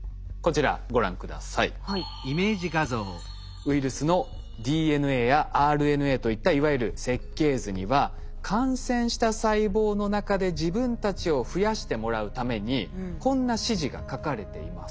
ウイルスのＤＮＡやＲＮＡといったいわゆる設計図には感染した細胞の中で自分たちを増やしてもらうためにこんな指示が書かれています。